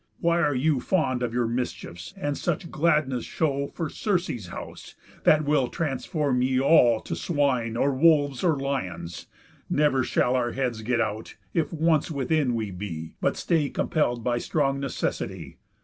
Why are you Fond of your mischiefs, and such gladness show For Circe's house, that will transform ye all To swine, or wolves, or lions? Never shall Our heads get out, if once within we be, But stay compell'd by strong necessity.